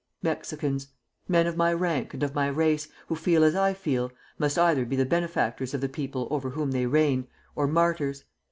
"Mexicans! men of my rank and of my race, who feel as I feel, must either be the benefactors of the people over whom they reign, or martyrs.